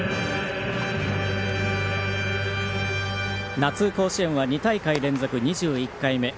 夏、甲子園は２大会連続２１回目。